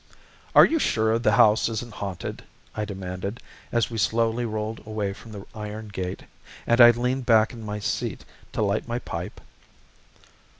"Are you sure the house isn't haunted?" I demanded, as we slowly rolled away from the iron gate, and I leaned back in my seat to light my pipe.